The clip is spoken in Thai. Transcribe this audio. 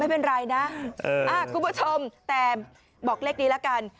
ไม่เป็นไรนะคุณผู้ชมแต่บอกเลขนี้ละกัน